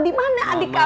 dimana adik kamu